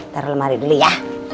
taro lemari dulu ya